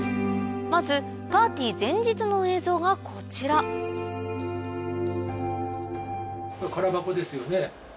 まずパーティー前日の映像がこちら空箱ですよね？